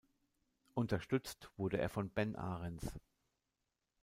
Unterstützt wurde er von Ben Ahrens.